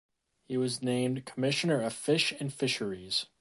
He was named "Commissioner of Fish and Fisheries".